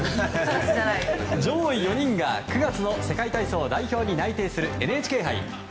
上位４人が９月の世界体操代表に内定するＮＨＫ杯。